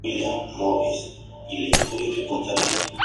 Está en la "ecorregión de bosques tropicales montanos de Luzón".